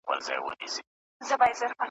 په توبه توبه زاهد کړمه مجبوره `